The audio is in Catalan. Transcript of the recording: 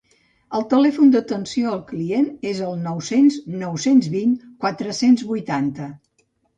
El telèfon d'atenció al client és el nou-cents nou-cents vint quatre-cents vuitanta.